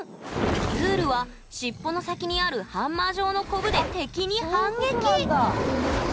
ズールはしっぽの先にあるハンマー状のコブで敵に反撃！